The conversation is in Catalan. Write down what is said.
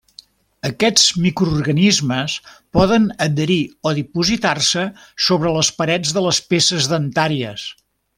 Aquests microorganismes poden adherir o dipositar-se sobre les parets de les peces dentàries.